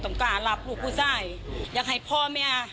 ช่วยเร่งจับตัวคนร้ายให้ได้โดยเร่ง